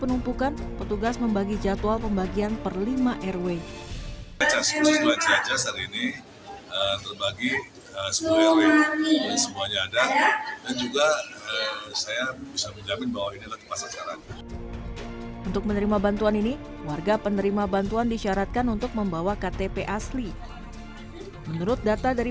untuk menerima bantuan ini warga penerima bantuan disyaratkan untuk membawa ktp asli menurut data dari